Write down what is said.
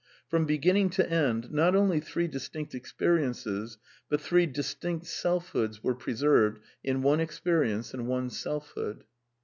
From beginning to end, not only three distinct experiences, but three distinct selfhoods were preserved in one experience and one selfhood.